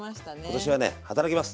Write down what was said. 今年はね働きます。